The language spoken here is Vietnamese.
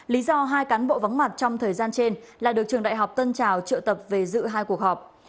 lý do hai cán bộ vắng mặt trong thời gian trên là được trường đại học tân trào triệu tập về dự hai cuộc họp